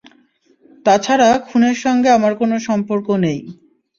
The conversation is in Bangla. তাছাড়া খুনের সঙ্গে আমার কোনো সম্পর্ক নেই।